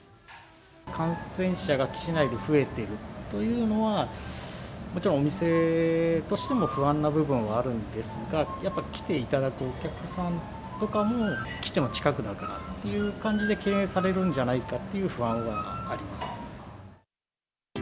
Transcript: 感染者が基地内で増えているというのは、もちろんお店としても不安な部分はあるんですが、やっぱ来ていただくお客さんとかも、基地の近くだからという感じで、敬遠されるんじゃないかという不安はあります。